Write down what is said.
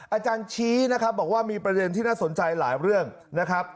อาจารย์ชี้นะครับบอกว่ามีประเด็นที่น่าสนใจหลายเรื่องนะครับ